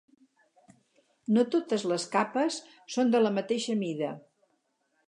No totes les capes són de la mateixa mida.